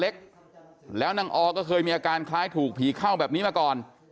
เล็กแล้วนางออก็เคยมีอาการคล้ายถูกผีเข้าแบบนี้มาก่อน